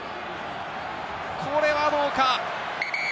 これはどうか？